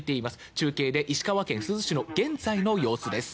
中継で石川県珠洲市の現在の様子です。